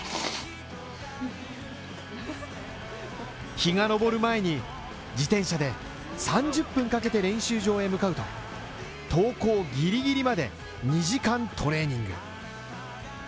日が昇る前に自転車で３０分かけて練習場へ向かうと登校ぎりぎりまで２時間トレーニング。